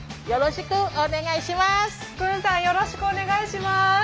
よろしくお願いします。